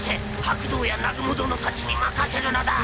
白道や南雲殿たちに任せるのだ！